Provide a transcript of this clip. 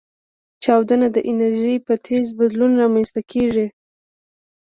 چاودنه د انرژۍ په تیز بدلون رامنځته کېږي.